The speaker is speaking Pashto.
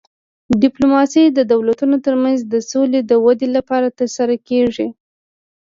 ډیپلوماسي د دولتونو ترمنځ د سولې د ودې لپاره ترسره کیږي